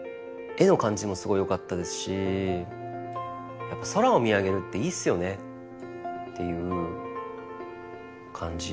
絵の感じもすごいよかったですしやっぱ空を見上げるっていいっすよねっていう感じ。